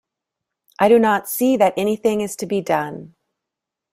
I do not see that anything is to be done.